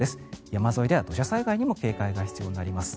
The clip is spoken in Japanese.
山沿いでは土砂災害にも警戒が必要になります。